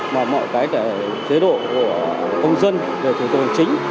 mà mọi cái giới độ của công dân thủ tục hành chính